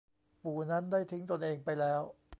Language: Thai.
ปู่นั้นได้ทิ้งตนเองไปแล้ว